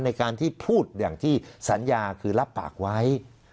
ในการที่พูดอย่างที่สัญญาคือรับปากไว้